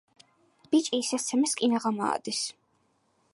ბიჭი ისე სცემეს, კინაღამ აადეს.